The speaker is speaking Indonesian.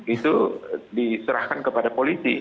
itu diserahkan kepada polisi